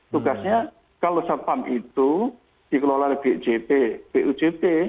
tugasnya kalau satpam itu dikelola oleh bujp